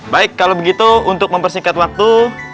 baik kalau begitu untuk mempersingkat waktu